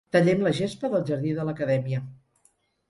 Tallem la gespa del jardí de l'Acadèmia.